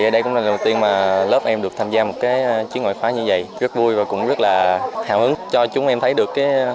đây cũng là lần đầu tiên mà lớp em được tham gia một chiến ngoại khóa như vậy rất vui và cũng rất là hào hứng cho chúng em thấy được